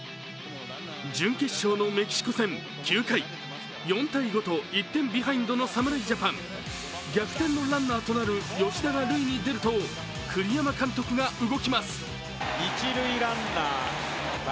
準決勝のメキシコ戦９回、４−５と１点ビハインドの侍ジャパン、逆転のランナーとなる吉田が塁に出ると栗山監督が動きます。